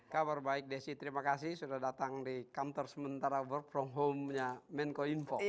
kabar baik desi terima kasih sudah datang di kantor sementara work from home nya menko info